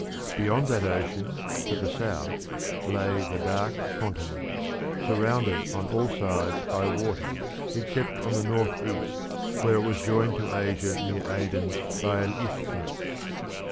Beyond that ocean, to the south, lay the Dark Continent, surrounded on all sides by water except on the north east, where it was joined to Asia near Aden by an isthmus.